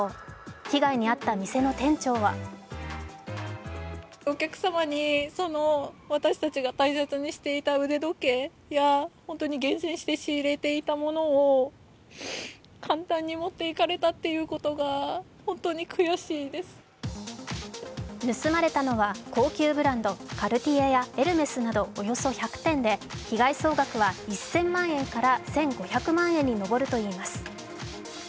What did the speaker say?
被害に遭った店の店長は盗まれたのは高級ブランド、カルティエやエルメスなどおよそ１００点で被害総額は１０００万円から１５００万円に上るといいます。